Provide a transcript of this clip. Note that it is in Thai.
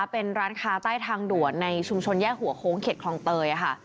เป็นร้านค้าใต้ทางด่วนในชุมชนแยกหัวโค้งเข็ดคลองเตยค่ะ